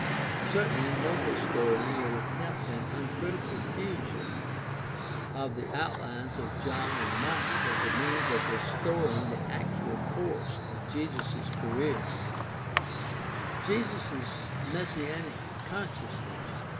Certainly no historian would attempt an uncritical fusion of the outUnes of John and Mark as a means of restoring the actual course of Jesus' career. THE STUDY OF EARLY CHRISTIANITY 261 Jesus' messianic consciousness.